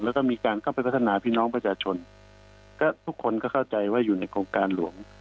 แล้วก็มีการเข้าไปพัฒนาพี่น้องประชาชนก็ทุกคนก็เข้าใจว่าอยู่ในโครงการหลวง